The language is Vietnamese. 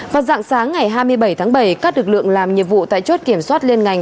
vào dạng sáng ngày hai mươi bảy tháng bảy các lực lượng làm nhiệm vụ tại chốt kiểm soát liên ngành